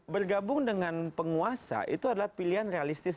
bergabung dengan penguasa itu adalah pilihan realistis